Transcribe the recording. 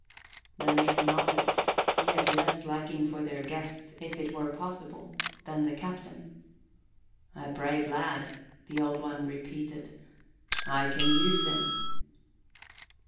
The mate nodded. He had less liking for their guest, if it were possible, than the captain. "A brave lad," the Old One repeated. "I can use him."